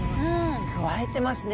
くわえてますね。